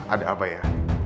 ada apa ya